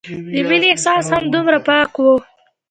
د مينې احساس هم دومره پاک وو